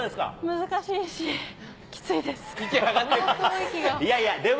難しいし、きついです。